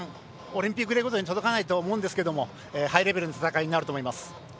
オリンピックレコードに届かないと思うんですけれどもハイレベルな戦いになると思います。